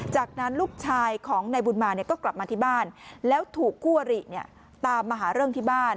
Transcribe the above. จากนั้นลูกชายของนายบุญมาเนี่ยก็กลับมาที่บ้านแล้วถูกคู่อริตามมาหาเรื่องที่บ้าน